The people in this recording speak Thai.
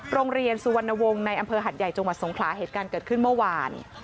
โรงเรียนสุวรรณวงศ์ในอำเภอหัดใหญ่จังหวัดสงขลาเหตุการณ์เกิดขึ้นเมื่อวาน